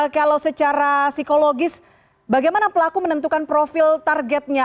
kalau secara psikologis bagaimana pelaku menentukan profil targetnya